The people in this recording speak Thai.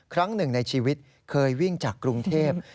ครั้งหนึ่งในชีวิตเคยวิ่งจากกรุงเทพ